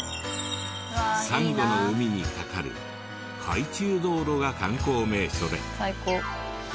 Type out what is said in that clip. サンゴの海に架かる海中道路が観光名所で。